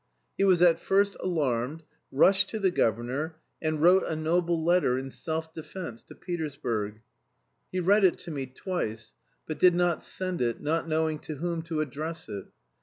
He was at first alarmed, rushed to the governor, and wrote a noble letter in self defence to Petersburg. He read it to me twice, but did not send it, not knowing to whom to address it.